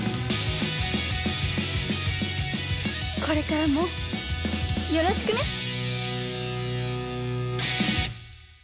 これからもよろしくね。